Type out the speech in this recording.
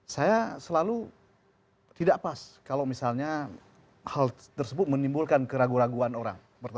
saya selalu tidak pas kalau misalnya hal tersebut menimbulkan keraguan keraguan orang